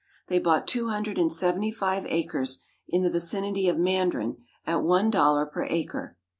They bought two hundred and seventy five acres in the vicinity of Mandarin at one dollar per acre.